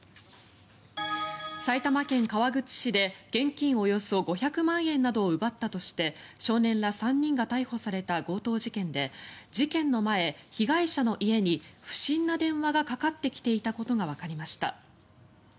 埼玉県川口市で現金およそ５００万円などを奪ったとして少年ら３人が逮捕された強盗事件で事件の前被害者の家に不審な電話がかかってきていたことがわかりました。